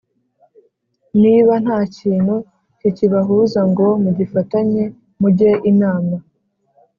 niba nta kintu kikibahuza ngo mugifatanye mujye inama